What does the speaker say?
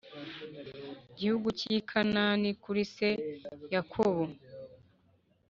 gihugu cy i Kanani kuri se Yakobo